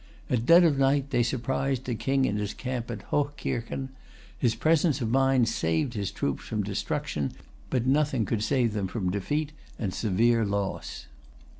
At dead of night they surprised the King in his camp at Hochkirchen. His presence of mind saved his troops from destruction; but nothing could save them from defeat and severe loss.